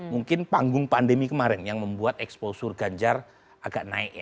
mungkin panggung pandemi kemarin yang membuat exposur ganjar agak naik